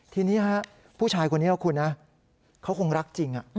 ทีนี้ผู้ชายคนนี้นะคุณนะเขาคงรักจริง